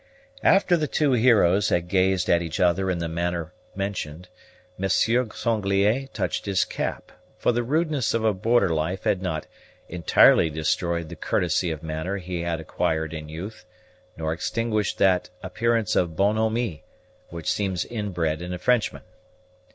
After the two heroes had gazed at each other in the manner mentioned, Monsieur Sanglier touched his cap; for the rudeness of a border life had not entirely destroyed the courtesy of manner he had acquired in youth, nor extinguished that appearance of bonhomie which seems inbred in a Frenchman.